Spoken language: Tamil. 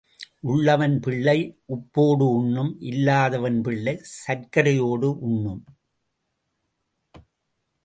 உள்ளவன் பிள்ளை உப்போடு உண்ணும் இல்லாதவன் பிள்ளை சர்க்கரையோடு உண்ணும்.